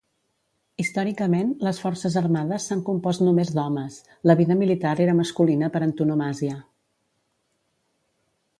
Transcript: Històricament les Forces Armades s'han compost només d'homes: la vida militar era masculina per antonomàsia.